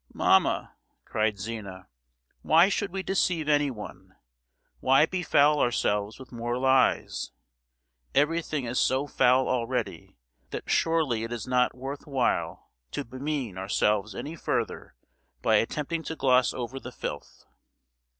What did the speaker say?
"Mamma!" cried Zina, "why should we deceive anyone? Why befoul ourselves with more lies? Everything is so foul already that surely it is not worth while to bemean ourselves any further by attempting to gloss over the filth!"